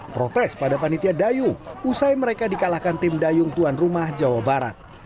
protes pada panitia dayung usai mereka dikalahkan tim dayung tuan rumah jawa barat